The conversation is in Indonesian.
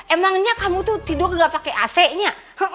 emangnya kamu tuh tidur gak pakai ac nya